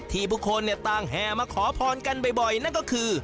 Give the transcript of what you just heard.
ผู้คนต่างแห่มาขอพรกันบ่อยนั่นก็คือ